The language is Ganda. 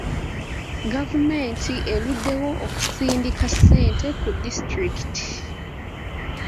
Gavumenti eruddewo okusindikaa ssente ku disitulikiti.